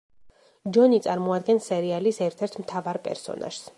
ჯონი წარმოადგენს სერიალის ერთ-ერთ მთავარ პერსონაჟს.